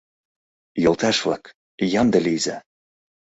— Йолташ-влак, ямде лийза!